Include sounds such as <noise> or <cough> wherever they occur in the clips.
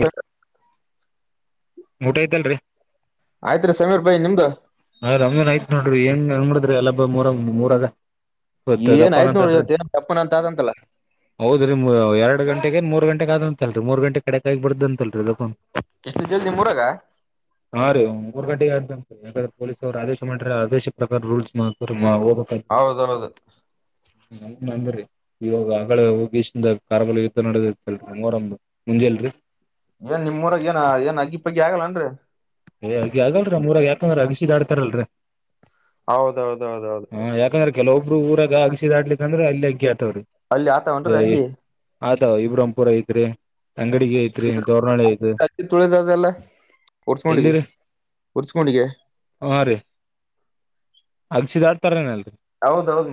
ಸರಿ ಊಟ ಆಯ್ತಿಲ್ರಿ ಆಯ್ತ್ರೀ ಸಮೀರ್ ಬಾಯ್ ನಿಮ್ದು ಹ ನಮ್ನ್ ಆಯತ್ ನೋಡ್ರಿ ಹೆಂಗ್ ಹಂಗ ಮುರದ್ರೀ ಅಲ್ಲೆಬ್ಬ ನಿಮ್ಮೂರಾಗ ಇವತ್ತ ಏನ್ ಆಯ್ತ್ ನೋಡ್ರಿ ದಪ್ಪಾನಾತಲ್ರೀ ಇವತ್ ಏನ್ ತಪ್ಪನ ಅಂತ ಆದಂತಲ್ಲ ಹೌದ್ರೀ ಎರಡ್ ಗಂಟೆಗೆ ಏನ್ ಮೂರು ಗಂಟೆಗೆ ಆತಂತಲ್ರಿ ಮೂರ್ ಗಂಟೆ ಕಡೆಕ್ ಆಗಿ ಬಿಡ್ದ ಅಂತಲ್ರಿದು ಎಷ್ಟು ಜಲ್ದಿ ಮೂರಗಾ ಹಾ ರೀ ಮೂರ್ ಗಂಟೇಗ ಆದ್ತಂತ್ರೀ ಯಾಕಂದ್ರೆ ಪೊಲೀಸ್ ಅವ್ರು ಆದೇಶ ಮಾಡ್ರಿ ಆದೇಶ ಪ್ರಕಾರ ರೂಲ್ಸ್ ಮಾಡ್ ಹೌದೌದು ಮೊನ್ನೆ ಅಂದ್ರರಿ ಇವಾಗ ಆಗಳೆ ಹೋಗಿ ಕಾಶಿಂದ ಕಾರ್ಗಿಲ್ ಯುದ್ಧ ನಡೆದಿತಲ್ಲ್ರಿ ಮೋರಂದ್ದು ಎಲ್ರಿ ಏನ್ ನಿಮ್ ಊರಾಗ ಏನ ಏನ್ ಅಗ್ಗಿಪ್ಪಗಿ ಆಗಲ್ಲನ್ರೀ ಏ ಅಗಿ ಆಗಲ್ರೀ ನಮ್ಮೂರಾಗ ಯಾಕಂದ್ರ ಅಗಸಿ ದಾಟ್ತಾರಲ್ರೀ ಹೌದೌದೌದೌದು ಕೆಲೊಬ್ರು ಊರಾಗ ಅಗಸಿ ದಾಟ್ಲಿಕಾ ಅಂದ್ರ ಅಲ್ಲಿ ಅಗ್ಗಿ ಆ ಅಲ್ಲಿ ಆತಾವೇನ್ರೀ ಅಗ್ಗಿ ಆತಾವು ಇಬ್ರಾಹಿಂಪುರ ಐತ್ರೀ ಅಂಗಡಿಗೆ ಐತ್ರಿ ತೋರನಾಳಿ ಅಯ್ತೀ ಕೊಂಡಿ ಉರ್ಸ್ಕೊಂಡಿಗೆ ಅಲ್ಸಿದಾ ಆಡ್ತಾರೇನಲ್ ಹೌದೌದು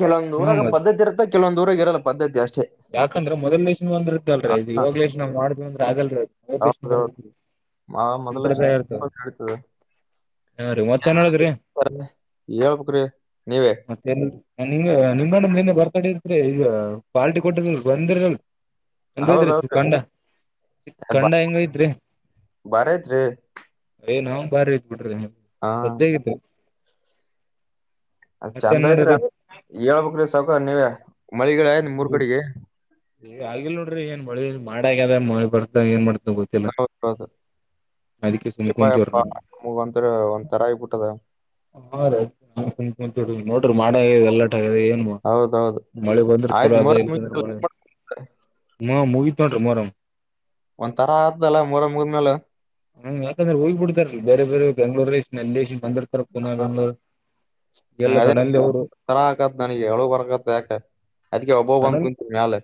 ಕೆಲವೊಂದ್ ಹಾ ಊರಾಗ ಮ ಪದ್ದತಿ ಇರುತ್ತ ಕೆಲವಂದ್ ಊರಾಗ ಇರಲ್ಲ ಪದ್ಧತಿ ಅಷ್ಟೆ ಯಾಕಂದ್ರ ಮೊದ್ ಲೈಸನ್ ಒಂದ್ ಇರ್ತಲ್ರಿ ಇದು ಇವಾಗ್ ಲೈಸನ್ ಮಾಡ್ ಅಂದ್ರ ಆಗಲ್ರೀ ಮೊದ್ ಲನ್ ಬರ್ ಮಾ ಮೊದಲ <unintelligible> ಹಾ ರೀ ಮತ್ತೇನಡದ್ರಿ ಹೇಳ್ಬೇಕ್ರಿ ನೀವೇ ಮತ್ತೆನಿಲ್ರೀ, ನಿಂಬಣ್ಣಂದ್ ನಿನ್ನ ಬರ್ತಡೇ ಇತ್ರೀ ಈಗ ಪಾಲ್ಟಿ ಹೌದೌದ್ರಿ <unintelligible> ಬಾ ಕಂಡ ಹೆಂಗ ಐತ್ರೀ ಬಾರಿ ಐತ್ರಿ ಎ ನಾವ್ ಬಾರಿ ಐತ್ ಬಿಡ್ರಿ ಹಾ ಸಜ್ಜಾಗತ್ರೀ ಅದ್ ಚಂದ ಐತ್ರಿ ನೋಡ್ರಿ ಹೇಳ್ಬೇಕ್ರೀ ಸೌಕಾರ ನೀವೆ ಮಳಿಗಿಳಿ ನಿಮ್ಮೂರ್ ಕಡೆಗೆ ಈಗ ಆಗಲ್ ನೋಡ್ರಿ ಏನ್ ಮಳಿ ಮಾಡ ಆಗ್ಯದ ಮಳಿ ಬರ್ತ ಏನ್ ಮಾಡ್ ನೌದು ಅದಕ್ಕೆ ಸುಮ್ ಪ್ಪ ಕುಂತೀವ್ರಿ ನಾವು ನಮಗ ಒರ ಒಂದ ತರ ಆಗ್ಬಿಟ್ಟದ ಹಾ ರಿ ನೋಡ್ರಿ ಮಾಡ ಎಲ್ಲ ಏನ್ವಾ ಹೌದೌದು ಮಳೆ ಬಂದ್ರೆ ಚಲೋ ಅದ ಇಲ್ಂದ್ರೆ ಮಳೆ ಹ ಹಾ ಮೂವಿ ತೋೊಂಡ್ರ ಮರ ಒಂದ್ ತರ ಆದಲ್ಲ ಮರ ಮುಗ್ಮೇಾಲ ಹ್ಮ್ ಯಾಕಂದ್ರೆ ಹೋಗ್ಬ ಬಿಡ್ಾರೀ ಬೇರೆ ಬೇರೆ ಬೆಂಗ್ಳೂರಲ್ಲಿ ನಲ್ಲಿ ಬಂದಿರ್ತಾರ ಪನ ಬೆಂಗಳೂರ್ ದ ತರ ಆಕತ್ ನನಗೆ ಅಳು ಬರ್ಕತ್ ಯಾಕ ಅದಕ್ಕೆ ಅಬ್ಬಾವ ಬಂದು ಕುತು ಮಾಲ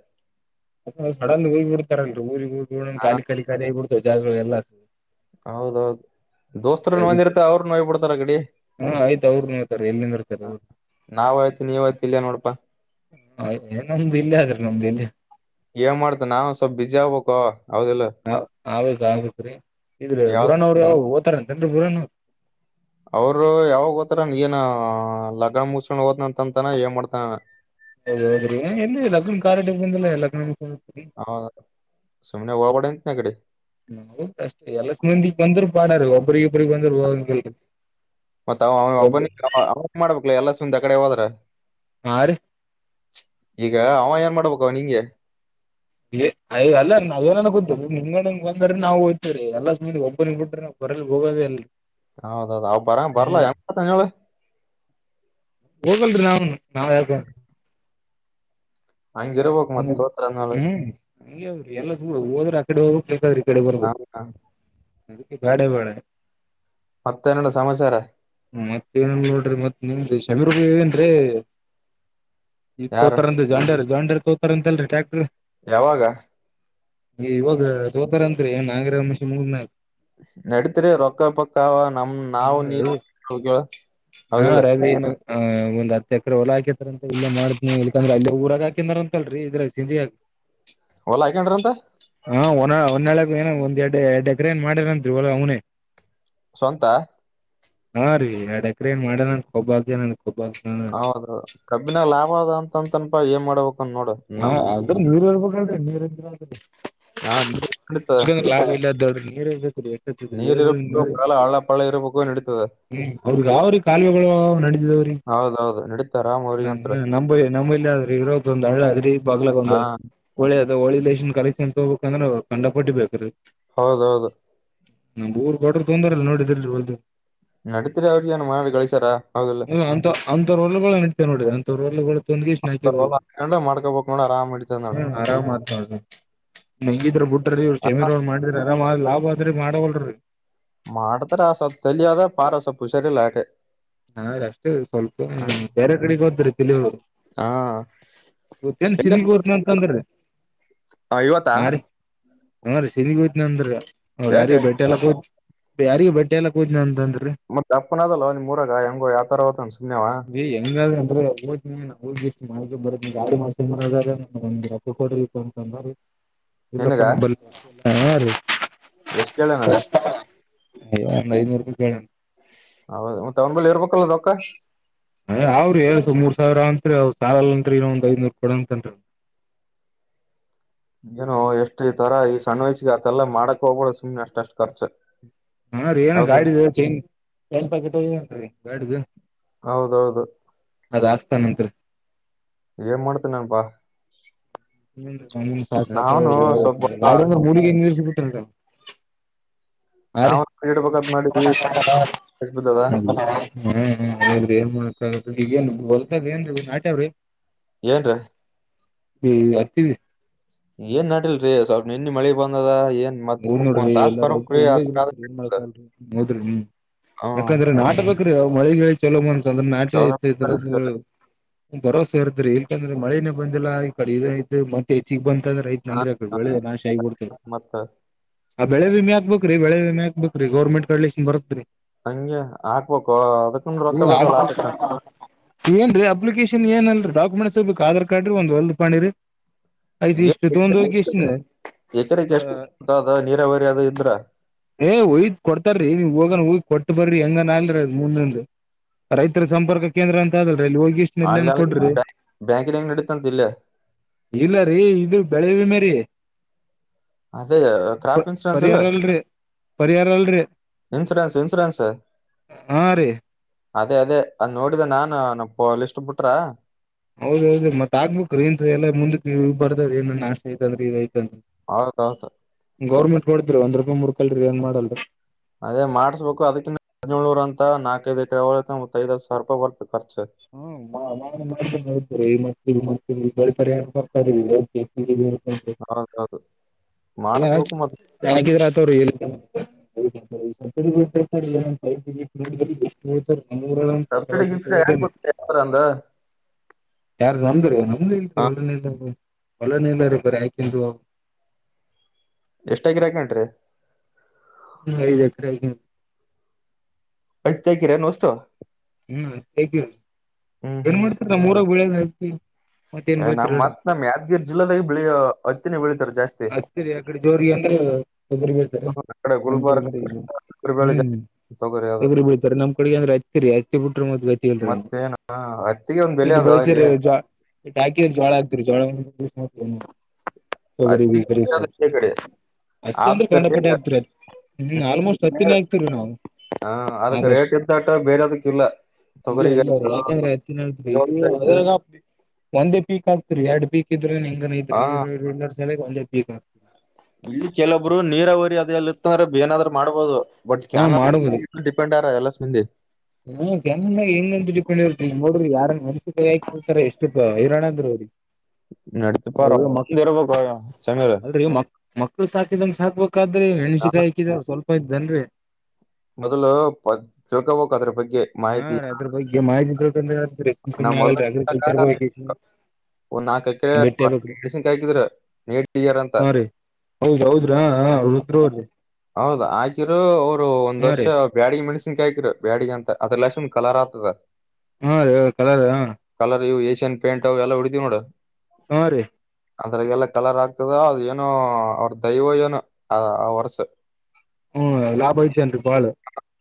ಸಡನ್ ಊಿ ಬಿಡ್ತಾರಲ್ ಊರಿ ಊಡ ಾಲ ಹಾ ಖಾಲಿಖಾಲಿಿ ಬಿಡ್ತ್ ಜಾಗಗಳು ಎಲ್ಲ ಹೌದೌದು ದೋಸ್ತರು ಅದಕ್ಕೆ ನಂದಿರ್ತ ಅವರು ನೋವ್ಬ ಬಿಡ್ತಾರ ಗಡಿ ಹಾ ಆಯ್ತ ಅವ್ರು ನೋಡ್ತಾರ ಎಲ್ಲಿ ನಿಂದಿರ್ತಾರ ನಾವ್ಯ್ತಿ ನೀವ್ಯ್ತಿಲ್ಲಯ ನೋಡಪಾ ಹ ನಮ್ದು ಇಲ್ಲಿ ಆದ್ರೆ ನಮ್ದು ಇಲ್ಲಿ ಏನ್ ಮಾಡ್ತ ನಾವು ಸ್ವಲ್ಪ್ ಬಿಜಿ ಆಗ್ಬೇಕು ಹೌದಿಲ್ಲ ಹ ಆಗ್ೇಕ್ ಆಗ್ಕ್್ರೀ ಇದ್ರೀ ಯಾವ್ದ ಬುರಾನವರು ಓತಾರ ಅಂತನ್ೀ ಬುರಾನವರು ಅವರು ಯಾವಾಗ ಓತಾರ ಏನ ಲಗನ್ ಮುಸೊಂಡ್ ಹಓದ್ನ ಅಂತಂತಾನ ಏನ್ ಮಾಡ್ತಾನ ಹೌದೌದ್ರಿ ಎಲ್ಲಿ ಲಗ್ನ ಕಾರ್ಡ್ ಲಗ್ನ ಹೌದ ನ ಕಷ್ಟ ಎಲ್ಲ ಸ್್ಮಂದಕ್ ಬಂದ್ರು ಪಾಡಾರ ಒಬ್ಬ ಕುರಿಗೆಗ ಪಗ ಬಂದಾಗ ಮತ್ತತ್ ಒಬ್ಬನ ಅವ ಮಾಡ್ಬೇಕಲ ಎಲ್ಲ ಸುಂದ್ ಆ ಕಡೆ ಹೋದ್ರ ಹಾ ರೀ ಈಗ ಅವ ಏನ್ ಮಾಡ್ಬೇಕು ನಿಂಗೆ ಯ ಅಲ್ಲ ನಾವ್ನ ಗೊ ನಿಂಗ ಬಂದೆ ನಾವು ಹೋ್ತವೀ ಎಲ್ಲಾ ಒಬನ ಬ ಬಿ್ರ ಹೊರಲ್ ಗೋಗ ಹೌದೌದು ಅವ ಬರ ಬರಲ್ಲಳ ೋಗಲ್ರಿ ನಾವ ನಾವ ಯಕ ಹಂಗಿರ್ಬೇಕು ಹ ಮತ್ ತೋತ್ರ ಅನ್ನೋಳು ಹ್ಮ ಹಂಗಗೆ್ರಿ ಎಲ್ಲ ಹೋದ್ರ ಆ ಕಡೆ ಹೋಗಕ್ ಬೇಕಾವ್ರಿ ಹ ಹಾ ಬ್ಯಾಡಿ ಬಾಳ ಮತ್ತೆನಣ್ಣ ಸಮಾಚಾರ ಮತ್ತೇ ನನ್ ನೋಡ್ರಿ ಮತ್ ನಿಮ್ದು ಶೀ ರೂಪಾಯಿ ವೇನ್ರೀ ಈಗ ಯಾರ ತೋತಾರಂತ ಜಾಂಡಾರ ಜಾಂಡಾರ್ ತೋತಾರ ಅಂತಲ್ರಿ ಟ್ಯಾಕ್ಟರ್ ಯಾವಾಗ ಈ ಇವಾಗ ತೋತಾರ ಅತ್ರಿನ್ ನಂಗರ ಮೂ ನಡತ್ರಿ ರೊಕ್ಕ ಪಕ್ಕ ನಮ ನಾವವು ನೀವು ಹೌದ ಹೌದಲ್ಲ ಹ ಒಂದ ಹತ್ ಎಕ್ರ ಹೊಲ ಹಾಕತ್ತಾರ ಅಂತ ಇಲ್ಲ ಮಾಡ್ನ ಇಕಂದ್ರ ಅಲ್ಲಿ ಊರಾಗ ಹಾಕಿದಾರ ಅಂತಲ್ರರಿ ಇದ್ರ ಸಿಂಧಿಗ. ಹೊಲಾ ಹಯಕೊಂಡ್ರ ಅಂತ. ಒಂದ್ಳ ಏನೋ ಒಂದ್ ಎಡ್ ಡೆಕರೇಷನ್ ಮಾಡಿರಂತ ಹೊಲಾ ಅವನೇ. ಸ್ವಂತ ಆ ರೀ ಎಡ್ ಎಕ್ರೆ ಮಾಡ ನನ್ ಒಬ್ಬ ಆಗದೆ ನನ್ ಹೌದೌದು ಕಬ್ಬಿನ ಲಾಭ ಅದ ಅಂತಂತನಪಾ ಏನ್ ಮಾಡ್ಬೇಕು ಅಂತ ನೋಡು ಹಾ ನಮ್ ನೀರ್ ಇರ್ಬೇಕಿ ನೀರ್ ಎಂದ್ರರಿ ನಾ ನಡೀತದ ಲಾ ಇಲ್ಲ ದೊಡ್ಡ ನೀ ನೀರ್ ಇರಬೇಕ ಬರಳ ಹಳ್ಳ ಪಳ್ಳ ಇರಬೇಕು ನಡತದೆ ಹ್ಮ ಅವ್ರಗ ಯಾವ್ರೀ ಕಾಲುವೆಗಳು ನಡದಿದಾವ್ರೀ ಹೌದೌದು ನಡೀತಾರ ಅವ್ರಿಗೆ ನ ಅಂತ ನ ನಮ್ಮ ಆದ್ರ ಇವತ್ತೊಂದು ಹಳ ಅದ ಬಗ್ಲ ಹಾ ಒಂದು ಒಳ್ಳೆ ಅದ ಒಳಿ ಲೇಶನ್ ಕಲೆಕ್ಷನ್ ತಗೋಗ್ಬೇಕ ಅಂದ್ರೆ ಕಂಡಪಟ್ಟಿ ಬೇಕ್ರೀ ಹೌದೌದು. ನಮ್ ಊರ್ ಬಡ್ರ ತೊಂದ್ರಲ್ಲ ನೋಡಿದ್ರ ಒದು. ನಡೀತರಿ ಅವ್ರಿಗೆ ಏನು ಮಾಡಾ ಕಳಿಸಾರ ಹೌದಲ್ಲ. ಅಂತ ಅಂತವ್ರ ಹೊಲಗಳ ನಡಿತಾವ ನೋಡ್ರಿ ಅಂತವ್ರ ಹೊಲಗಳ <unintelligible> ಹ್ಮ್ ಆರಾಮ ಆತ ನೋಡ್ರಿ. ನಂಗಿದ್ರ ಬಿಟ್ರೀ ಇ್ರ ಅಲ್ಲ ಸಮೀರ್ ಮಾಡಿದ್ರಿ ಆರಾಮ್ ಲಾಭ ಆದದ್ರಿ ಮಾಡವಲ್ರರಿ. ಮಾಡಟದರ ಆಸ ತಲಿಯಾದ ಪಾರಸ ಪುಷರಿ ಇಲ್ಲ ಅಟೆ. ಹಾ ಅಷ್ಟೇ ಸ್ವಲ್ಪ ಬೇರೆ ಕಡೆಗೆ ಹೋದ್ರ ತಿಳರು. ಹಾ ಗೊತ್ತೇನ್ ಎಲ್ಲಿ ಸಿನಗ್ ಗೊತ್ನ ಅಂತಂದ್ರ ಇವತ್ತಾ ಹ ರೀ. ಹಾ ರಿ ಸಿರಿಗ ಹೋಗ್ತೇನ ಅಂದ್ರ ರಿ ಅವ್ರ ಯಾಕೆ ಯಾರಿಗೆ ಬೆಟ್ಟೆ ಎಲ್ಲಾ ಕೂತ್ ಯಾರಿಗೆ ಬ ಬೆಟ್ಟಿ ಆಗ್ಲಾಕಾ ಹೋಗ್ತೇನ ಅಂತ. ಮತ್ತ ಅಪ್ಪನ ಅದಲ್ಲ ನಿಮ್ಮೂರಾಗ ಹೆಂಗೋ ಯಾವ ತರಾ ಹೋಗ್ತಾನ. <unintelligible> <inaudible> ಇಲ್ಲಾ ಪಾ ನಾ ಬರಲ್ಲಾ ಹಾ ರಿ. ಎಷ್ಟ ಹೇಳಣ. ಯ ಒಂದ ಐನೂರು ರೂಪಾಯಿ ಕೇಳ್ಯನ. ಹೌದು ಮತ್ತ ಅವ್ನಲ್ಲಿ ಇರ್ಬೇಕ ಹ ಅವ್ರಿ ಹಳ್ಸ ಮೂರ್ ಸಾವಿರ ಅತ್ರಿ ಅವ ಸಾರಲ್ತ್ರಿ ಇನ್ನು ಒಂದ್ ಐದನೂರು ಕೊಡ ಅಂತನ್ರಿ. ಏನು ಎಷ್ಟು ಈ ತರ ಈ ಸಣ್ಣ ವಯಸ್ಸಿಗೆ ಅತ್ತಲ್ಲ ಮಾಡಕ್ ಹೋಗ್ಬಳ ಸುಮ್ನೆ ಅಷ್ಟಷ್ಟು ಖರ್ಚು. ಹಾ ರೀ ಏನು ಹೌದು ಗಾಡಿದ ಚೈನ್ ಚೈನ್ ಪ್ಯಾಕೆಟ್ ಹೊಗೆತಂತ ರಿ ಗಾಡಿದು. ಹೌದೌದು ಅದ್ ಹಾಕ್ತಾನತ್ರಿ. ಏನ್ ಮಾಡ್ತೇ ನನ್ಪಾ. ಸ್ವಲ್ಪ <inaudible> ಹಾ ರೀ. ನಾವು ಇಡ್ಬೇಕಂತ ಮಾಡಿದ್ವಿ ಬಿದ್ದದ ಹ್ಮ ಏನ್ ಮಾಡ ಈಗೇನ್ ಹೊಲ್ತದ ಏನ್ರಿ ನಾಟ್ಯಾವ್ರಿ. ಏನ್ರೀ. ಹ್ಮ್ ಹರ್ತೀವಿ. ಏನ್ ನಟಲ್ರಿ ಸ್ವಲ್ಪ್ ಇನ್ನ ಮಳೆ ಬಂದದ. ಏನ್ ಮತ್ ಹ್ಮ್ ಒಂದ್ ನೋಡ್ರಿ ತಾಸ್ ಎಲ್ಲಾರ ಹದ ಬರ್ಬೇಕ್ರಿ ಬಿಡ್ ಅದ್ರಾಗ ಏರ್ಮಳೆ ಕಾಲಲ್ ಹೋದ್ರಿ ನೀ. ಹ್ಮ್ ಯಾಕಂದ್ರೆ ನಾಟ ಬೇಕ್ರೀ ಅವ ಮಳಿ ಗಿಳಿ ಚಲೋ ಬಂತ ಅಂದ್ರೆ ನಾಟಿ ಕ್ಷಾರ ಇ ಇದ್ರ. ಬಂದದ. ಭರಸೆ ಇದ್ರಿ ಏಕಂದ್ರೆ ಮಳೆನೇ ಬಂದಿಲ್ಲಾ ಈಕಡೆ ಇದ ಐತೀರಿ ಮತ್ತೆ ಹೆಚ್ಚಗ್ ಬಂತದ್ರೆ. ಆ, ಕಣ್ರಿ ಅಕ ಆ, ಬೆಳಿ ನಾಶ ಆಗಿ ಬಿಡ್ತಾಡ್ರಿ. ಮತ್ತ ಹಾ ಬೆಳಿ ವಿಮೆಾಕ್ಬೇಕ್ರೀ ಬೆಳೆ ವಿಮೆ ಹಾಕ್ಬೇಕ್ರಿ ಗರ್ಮೆಂಟ್ಡ್ಲಿ ಇನ್ ಬರ್ತ್ರಿ. ಹಂಗೆ ಹಾಕ್ಬೇಕು ಅದಕ ರೊಕ್ಕಬೇಕಲ್ಲ ಹಾಕಾಕ. ಏನ್ರೀ ಅಪ್ಲಿಕೇಶನ್ ಏನ್ ಅಲ್ರಿ ಡಾಕುಮೆಂಟ್ಸರ್ಬೇಕು ಆಧಾರ್ ಕಾರ್ಡ ರಿ ಒಂದ ಹೊಲದ ಪಾನಿ ರಿ. ಆಯ್ತ್ ಏನ್ ಇಷ್ಟು ತಗೊಂಡ ಬೇಕಿತ್ತು? ಹೋಗೋಗಿ ಇಷ್ಟ ಹ ಅ ನೀರಾವರಿ ಅದು ಇದ್ರ ಏ್ ಒಯ್ದ್ ಕೊಡ್ತಾರೀ ನೀ ಹೋಗ ಹ್ ಕೊಟ್ಟ ಬರ್ರಿ ಹೆಂಗನ್ ಅಲ್ರಿ ಅದ ಮುಂದ ರೈತರ ಸಂಪರ್ಕ ಕೇಂದ್ರ ಅಂತ ಅಲ್ ಲ್ಲಿ ಹೋಗಿಷ್ಟ ಎಲ್ಲನ್ ಅಲ್ಲ ಕೊಡ್ರಿ. ಬ್ಯಾಂಕಿನ ಹೆಂಗ್ ನಡೀತಂತ ಇಲ್ಲೇ ಇಲ್ಲ ರೀ ಇದು ಬೆಳವಿ ಮೇರಿ. ಅದೇ ಕ್ರಾಪ್ ಇನ್ಸೂರನ್ಸ್ ಇಲ್ಲ. ಅಲ್ರಿ ಪರಿಹಾರ ಅಲ್ರಿ ಇನ್ಸುರನ್ಸ್ ಇನ್ಸೂರನ್ಸ. ಹಾ ರೀ ಅದೇ ಅದೇ ಅದ್ ನೋಡಿದ ನಾನನ್ ನ ಪ ಲಿಸ್ಟ್ ಬಿಟ್ರ. ಹೌದೌದು ಮತ್ ಆಗ್ಬೇಕ್ರ ನ್ ಎಲ್ಲ ಮುಂದಕ್ಕೆ ಬರ್ದ್ರ ಏನ್ಾಸ್ತಿ ಐತಂದ್ರ. ಹೌದ ಹೌದು. ಗೌರ್ಮೆಂಟ್ ಕೊಡದ್ರ ಒಂದ ರೂಪಾಯಿರ್ಕಲ್ರಿ ಏನ್ ಮಾಡಲ್ರಿ. ಅದೇ ಮಾಡ್ಬೇಕು ಅದಕ್ಕಿಂತ ಹದಿನೇಳಳ್ನೂರ ಅಂತ ನಾಕೈದ್ಕಳ ಮತ್ ಐದ್ ಸಾವಿರ ರೂಪಾಯಿ ಬರ್ತತಿ. <inaudible> ಇ ಮತ್ತಳಿ ಪರಿಹಾರ ಬರ್ತದೆ ಹೌದೌದು ನರ ಮಾಡಿಸ್ಬೇಕು ಮತ್ ರ ತಲ್ಲ ಟೋ ಎಷ್ಟು ಹೇಳ್ತಾರೆ ನರ ಸಬ್ಸಿಡಿ ಕೆಲೊಬ್ರು ಗಿಬ್ಸಿಡಿ ಯಾಕ್ ಹೋದೇನೆ ಗೊತ್ತ ಅಂದ ಯಾರು ನಂದ್ರ ನಮ್ದ ಇ ಹಾ ಒಳ್ಳನ ಒಲ ನೀಲ್ಲ ರ ಬರ ಆಯಕಂದು ಎಷ್ಟಾಗಿಿರಾಕ ನಂಟ್ರಿ ಇ ದಖರ ಯ್ತ ಆಕಿರನು ಅಷ್ಟು ಹ್ಮ್ ಹೇತ ಏನ್ ಮಾಡ್ತರ ಮೂರಾಗ ಬೆಳದ ಹತಿ ನಮ್ಮ್ ಮತ್ತ್ ನಮ್ಮ್ ಯಾದಗಿರಿ ಜಿಲ್ಲದಾಗ ಬೆಳಿ ಹತ್ತಿನ ಬೆಳಿತಾರೆ ಜಾಸ್ತಿ ಹತ್ತಿರಿ ಆ ಕಡೆ ಜೋರಿಗೆ ನಮ್ ಕಡೆ ಹ್ಮ್ ತೊಗ್ರಿ ಆ ಕಡೆ ಗುಲ್ಬರ್ಗ ಕುರ್ಬೇಳೆ ಜಾಸ್ತಿ ತೊಗರಿ ಅದು ಬೀಳ್ತಾರೆ ನಮ್ ಕಡೆ ಅಂದ್ರೆ ಹತಿರಿ ಅತಿ ಬಿಟ್ರ ಮ ಅತ್ತ ಹೇಳಿ ಮತ್ತೇನ ಹತ್ತಿಗೆ ಒಂದ್ ಬೆಲೆ ಇಟ್ಟ ಅದ ಇಲ್ಲಿ ಬಳಸಿ್ರ ಜ ಇಟ್ಟ ಹಾಕಿ್ರ ಜೋಳ ಆಗ್ತರಿ ಜಳ ಸಬರಿ ಹತ್ತಿಗೆ ಸ ಈ ಕಡೆ ಅತ್ಯಂದ್ರ ಅದಕ್ಕೆ ಗಂಡಪಟ್ಟ ರೇಟ್ ಆಗ್ತರ ಹ್ಮ್ ಆಲ್ಮೋಸ್ಟ್ ಹೊತ್ತಿನ ಆಗ ನಾವು ಹಾ ಅದಕ್ ಆದಷ್ಟು ರೇಟ್ ಇಂತಟ ಬೇರೆ ಅದಕ್ ಇಲ್ಲ ತೊಗರಿಗ ಆಟಾಟ ಒಂದೇ ಪೀಕ್ ಆಗ್ತರಿ ಎರಡ್ ಪೀಕ್ ಇದ್ರೇನ್ ಹೆಂಗನ ಇದ್ರರಿ ಎರಏನು ಸಲ ಒಂದೇ ಪೀಕ್ ಆಗ್ತರಿ ಈ ಕೆಲವಬ್ರು ನೀರಾವರಿ ಅದಲ್ಲಿ ಇತ್ತಂದ್ರೆ ಏನಾದ್ರರು ಮಾಡ್ಬೋದು ಬಟ್ ಹಾ ಕಾನ ಡಿಪೆಂಡ್ ಆಾರ ಎಲ್ಲ ಸಂದಿ ಹಾ ಜಾಗ ಹೆಂಗಂತ ಡಿಪೆಂಡ್ ಇಿ ನೋಡ್ರಿ ಯಾರನ್ ಮಸ ಕಕ್ತಿರ್ತಾರ ಎಷ್ಟು ಹೈರಾಣ ಅಂದ್ರರು ಅವ್ರಿ ನತಪ್ಪಾ ರ ದರವ ಕೊಯ ಅಲ್ ಮಕ್ ಮಕ್ಳು ಸಾಕಿದಂಗ ಸಾಕ್ಬೇಕಾದ್ರೆ ಮಣಸಿಕಾಯಿ ಹಾಕಿದ ಸ್ವಲ್ಪ ಐ ಜನ್ರಿ ಮೊದ್ಲು ತಿಳ್ಕೋಬಕ್ ಅದ್ರ ಬಗ್ಗೆ ಮಾಹಿತಿ ಏಲ್ಲ ಆಗಗ್ರಿಕಲ್ರ್ ಒಂದ್ ನಾಲ್ಕಕಡೆ ಮೆಡ್ಸನ್ಕ ಹಾಕಿದ್ರ ನೀಡಿಾರಂತ ಹೌದ್ೌದ್ರಾ ರುದ್ರ್ರಿ ಹೌದ್ ಹಾಕಿರು ಅವ್ರು ಒಂದ್ ಹಾ ವರ್ಷ ರೀ ಬ್ಯಾಡಿಗೆ ಮೆಡಿಸಿನ್ ಕ ಹಕಿರು ಬ್ಯಾಡಗ ಅಂತ ಅದೆೆಲ್ಲಾಂದು ಕಲಾರ ಆತದೆ ಹಾ ರ ಕಲರ ಚ ಪಂಟ್ ಅವ ಎಲ್ಲಾಡಿದೀ ನೋಡ ಹಾ ರೀ ಅದ್ರಗೆಲ್ಲ ಕಲರ್ ಆಗ್ತದ ಅದ ಏನುೋ ಅವ್ರ ದೈವ ಏನು ಆ ವರ್ಸ ಹ್ಮ್ ಲಾಭ ಐತೆೇನ್ರಿ ಬಾಳ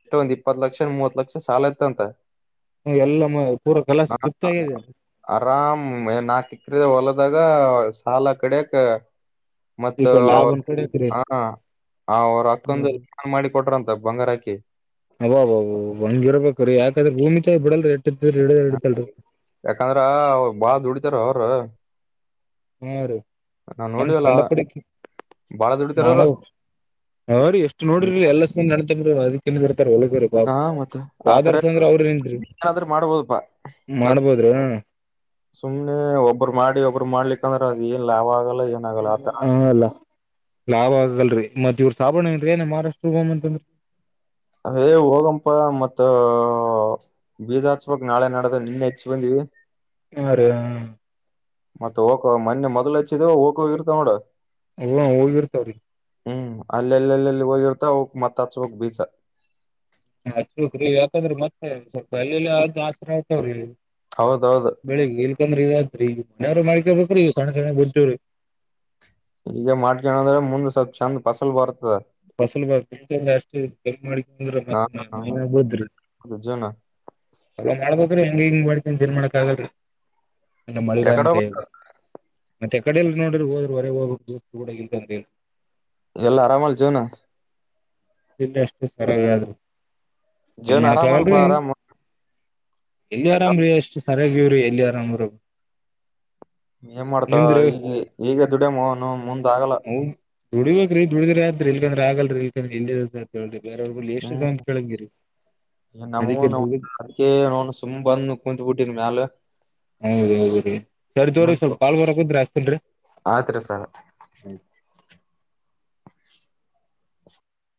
ಇಷ್ಟೊಂದು್ ಇಪ್ಪತ್ ಲಕ್ಷ ಮೂವತ್ ಲಕ್ಷ ಸಾಲ ಇತಂತ ಎಲ್ಲ ಪೂರಾ ಕಲಾಸ ಹ ಚುಕ್ತಾಗದೇನ್ರಿ ಆರಾಮ ನಾಕ ಎಕ್ರೆ ಹೊಲದಾಗ ಸಾಲ ಕಡಾಯಕ್ ಮತ್ತ ಈ ಕಡೆ ಲಾಭ ಒಂದ್ ಕಡೆ ಐತ್ರಿ ಹ ಅವ್ರ ಅಕ್ಕಂದು ನೋಡ್ರಿ ಮಾಡಿ ಕೊಟ್ರಂತ ಬಂಗಾರಾಕಿ ಅಬ ಹಂಗ ಇರ್ಬೇಕ್ರೀ ಯಾಕಾದ್ರೆ ಭೂಮಿ ತಾಯ ಬಿಡಲ್ರಿ ಎಟ್ಟಿದ್ರ ಹಿಡ ಹಿಡಿತಲ್ರಿ ಯಾಕಂದ್ರ ಬಾಳ ದುಡಿತಾರ ಅವ್ರ ಹ್ಮ ನಾವ್ ನನ್ ನೋಡಿವಲ್ಲ ಕೊಂಡ ಪಡ ಬಾಳ ದುಡಿತಾರ ಮಾಡ ಅವ್ರು ಅವ್ರ ಎಷ್ಟು ನೋಡ್ರ ಎಲ್ಲಷ್ಟಂದ ನೆತ್ರ ಅದ ಒಳಗಾಪ ಹಾ ಮತ್ತ ಆತರ ಾದರ್ಸ್ ಅಂದ್ರ ಅವ್ರಿ ಏನಾದ್ರೂ ಮಾಡ್ಬೋದಪ್ಪಾ ಮಾಡ್ಬೋದ್ರ ಸುಮ್ನೆ ಒಬ್ಬರು ಮಾಡಿ ಒಬ್ರ ಮಾಡ್ಲಿಕ್ಕಂದ್ರೆ ಅದ ಏನ್ ಲಾಭ ಆಗಲ್ಲ ಏನಾಗಲ್ಲ ಆತ ಹಲ್ಲ ಲಾಭ ಆಗಲ್ರರಿ ಮತ್ ಇವ್ರ ಸಾಬಣ ಏನ್ರೀ ಏನ ಮಹಾರಾಷ್ಟ್ರ ಹೋಗಮಂತ ಅಂದ್ರ ಅದೇ ಹೋಗಂಪ ಮತ್ತ ಬೀಜಾ ಹಚ್ಚ ಚ್ಚಬೇಕ ನಾಳೆ ನಡ್ದ ನಿನ್ನೆ ಹಚ್ಚಿ ಬಂದ್ವಿ ಹಾ ರಿ ಹ್ಮ ಮತ್ತ ಹೋಕೋ ಮೊನ್ನೆ ಮೊದ್ಲು ಹಚ್ಚಿದ ಓಕೋಗಿರ್ತಾವ ನೋಡ ಹ್ಮ ಹೋಗಿರತ್ತಾವ ರೀ ಹ್ಮ್ ಅಲ್ಲೆಲ್ಲೆಲ್ಲೆಲ್ಲಿ ಹೋಗಿರ್ತ ಅವಕ್ ಮತ್ತ ಹಚ್ ಬೇಕ್ ಬೀಜ ಹಚ್ಬೇಕ್ರಿ ಮತ್ತೆ ಸ್ವಲ್ಪ ಎಲ್ಲೆಲ್ಲಿ ಆದಾಸ್ತ್ರ ಆಯತವ್ರಿ ಹೌದೌದು ಬೆಳಿಗ್ಗೆ ಇಲ್ಕಂದ್ರ ಇದಾತ್ತದ್ರಿ ಈಗ <unintelligible> ಈಗ ಮಾಡ್ಕಣಂದ್ರೆ ಮುಂದ್ ಸ್ವಲ್ಪ ಚಂದ ಫಸಲ್ ಬರುತ್ತೆ ಫಸಲ್ ಬರತ ಅಷ್ಟುನು ಇಲ್ಲ ಮಾಡಂದ್ರ ನಾ ಮತ್ತ ಮೈನ ಮ್ಯಾಗ ಬುಳತದ್ರಿ ಜೀವನ ಅ ಮಾಡ್ಬ ಹೆಂಗ ಹಂಗ ಮಾಡ್ತನ್ ತಿರ್ ಮಾಡಕ್ ಆಗಲ್ರಿ ಯಾಕಡೆ ಮಳಿರಾಯನ್ ಕೈ ಹೋಗ್ಬೇಕ್ ಮತ್ತೆ ಎಕಡ ಇಲ್ಲ ನೋಡ್ರಿ ಹೋದ್ರೆ ಹೊರೆಗೆ ಹೋಗಬೇಕ ದಸ್ ಕೂಡ ಇ ಅಂತ ಹೇಳಿ ಎಲ್ಲಾ ಆರಾಮಲ್ ಜೀವನ ಇಲ್ಲ ಅಷ್ಟು ಸರಿಯಾಗಿದ್ರರು ಏನ್ ಜೀವನ ಮಾಡಕ ಆರಾಮಲ್ಪಾ ಆಗಲ್ರರಿ ಆರಾಮ್ ಎಲ್ಲಿ ಆರಾಮ್ರೀ ಅಷ್ಟ್ ಸರಿಯಾಗಿವ್ರಿ ಎಲ್ಲಿ ಆರಾಮ್ರ ಏನ್ ಮಾಡ್ತೋ ಈಗ ಈಗ ದುಡಮನೌನ ಮುಂದ್ ಆಗಲ್ಲ ದುಡಗ್ಬೇಕ್ ರೀದುಡಿದ್ರ ಅತ್ರಿ ಇಲ್ಂದ್ರ ಆಗಲ್ರಿ ಇಲ್ಕಂದ್ರ ಇ ಹೇಳಿ ಬೇರವ್ರ ಬಲ್ಲಿ ಎಷ್ಟ ದಿನ ಹ್ಮ್ ಅಂತ ಕೇಳಂಗಿರಿ ನಮಗೂ ಅದಕ್ಕೆ ನ ದುಡಿದ್ ಅದಕ ನೋನು ಸುಮ್ ಬಂದ ಕುತ್ ಬಿಟ್ಟಿದ ಮ್ಯಾಲ ಹೌದ ಹೌದ್ರೀ ಸರ್ ತೋರಿ ಸ್ವಲ್ಪ ಕಾಲ್ ಬರಕದ್ರಿ ಅಸ್ತನರಿ ಸರಿ